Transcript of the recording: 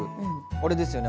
あれですよね